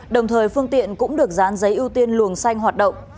đồng thời phương tiện cũng được dán giấy ưu tiên luồng xanh hoạt động